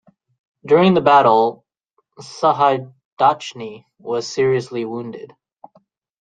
During the battle, Sahaidachny was seriously wounded.